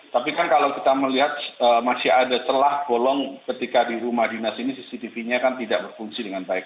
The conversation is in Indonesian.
tapi kan kalau kita melihat masih ada celah bolong ketika di rumah dinas ini cctv nya kan tidak berfungsi dengan baik